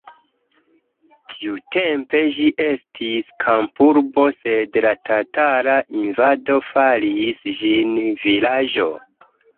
Tiutempe ĝi estis kampurbo, sed la tatara invado faris ĝin vilaĝo.